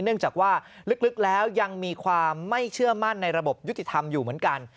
เนื่องจากว่าลึกแล้วยังมีความไม่เชื่อมั่นในระบบยุติธรรมอยู่เหมือนกัน